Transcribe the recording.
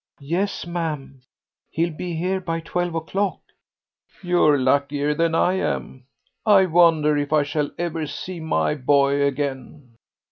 "Yes, ma'am, he'll be here by twelve o'clock.'" "You're luckier than I am. I wonder if I shall ever see my boy again."